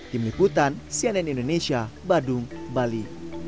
tim liputan cnn indonesia badung bali